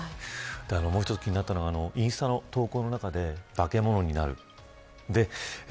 もう一つ気になったのがインスタの投稿の中で化け物になる。